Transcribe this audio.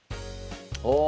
ああ。